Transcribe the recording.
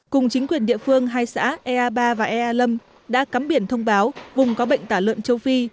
cùng chính quyền địa phương hai xã ea ba và ea lâm đã cắm biển thông báo vùng có bệnh tả lợn châu phi